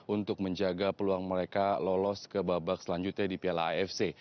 untuk menjaga peluang mereka lolos ke babak selanjutnya di piala afc